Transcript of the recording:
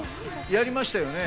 やりましたね。